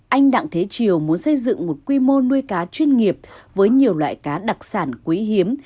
anh đặng thế triều muốn xây dựng một quy mô nuôi cá chuyên nghiệp với nhiều loại cá đặc sản quý hiếm